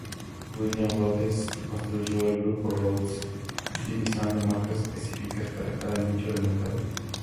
William Rootes construyó el Grupo Rootes utilizando marcas específicas para cada nicho de mercado.